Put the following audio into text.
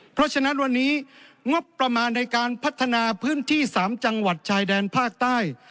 เพราะฉะนั้นวันนี้งบประมาณในการพัฒนาพื้นที่๓จังหวัดชายแดนภาคใต้